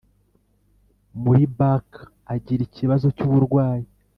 muri Bacc agira ikibazo cy uburwayi